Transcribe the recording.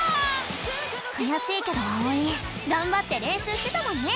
くやしいけどあおいがんばってれんしゅうしてたもんね！